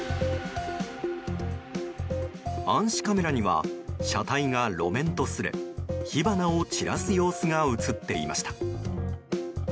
暗視カメラには車体が路面とすれ火花を散らす様子が映っていました。